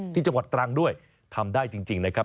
ที่จังหวัดตรังด้วยทำได้จริงนะครับ